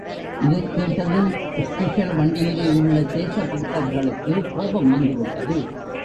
இதைக் கேட்டதும் ஸ்பெஷல் வண்டியிலே உள்ள தேசபக்தர்களுக்கு கோபம் வந்து விட்டது.